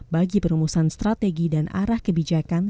bagi perumusan strategi dan arah kebijakan